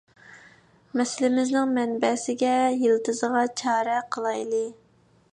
مەسىلىمىزنىڭ مەنبەسىگە، يىلتىزىغا چارە قىلايلى.